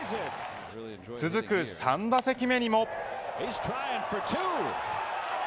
続く３打席目にも。